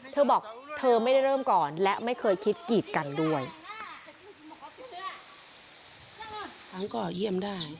เธอบอกเธอไม่ได้เริ่มก่อนและไม่เคยคิดกีดกันด้วย